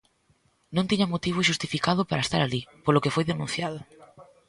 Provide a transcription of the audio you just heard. Non tiña motivo xustificado para estar alí, polo que foi denunciado.